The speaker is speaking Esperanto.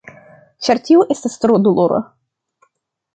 Ĉar tio estas tro dolora.